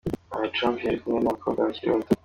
Aha Trump yari kumwe n’ abakobwa bakiri bato.